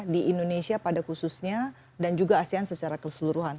di indonesia pada khususnya dan juga asean secara keseluruhan